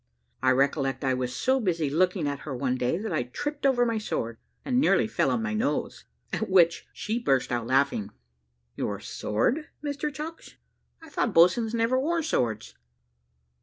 I recollect I was so busy looking at her one day, that I tripped over my sword, and nearly fell on my nose, at which she burst out a laughing." "Your sword, Mr Chucks? I thought boatswains never wore swords."